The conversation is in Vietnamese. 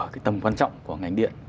cái tầm quan trọng của ngành điện